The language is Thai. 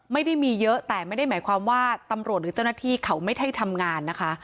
ไม่ได้มีเยอะแต่ไม่ได้หมายความว่าตำรวจหรือเจ้าหน้าที่เขาไม่ได้ทำงานนะคะ